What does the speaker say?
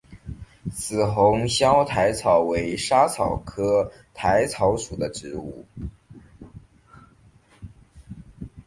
紫红鞘薹草为莎草科薹草属的植物。